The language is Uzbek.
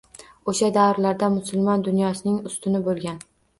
Oʻsha davrlarda musulmon dunyosining ustuni boʻlgan